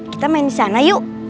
kita main disana yuk